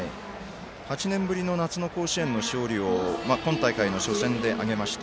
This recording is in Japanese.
８年ぶりの夏の甲子園の勝利を今大会の初戦で挙げました。